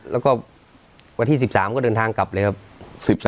แล้วก็วันที่๑๓ก็เดินทางกลับเลยครับ